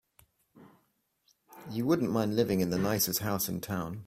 You wouldn't mind living in the nicest house in town.